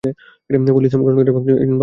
পরে ইসলাম গ্রহণ করে এবং একজন ভাল মুসলমান হয়।